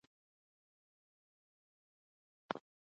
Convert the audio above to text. خو شعر د انسان د فطرت غوښتنه ده.